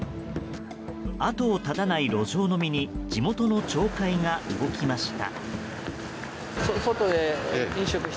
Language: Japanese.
後を絶たない路上飲みに地元の町会が動きました。